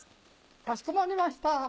かしこまりました。